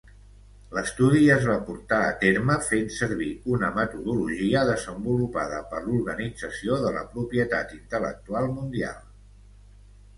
L'estudi es va portar a terme fent servir una metodologia desenvolupada per l'Organització de la Propietat Intel·lectual Mundial.